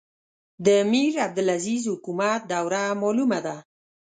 د میرعبدالعزیز حکومت دوره معلومه ده.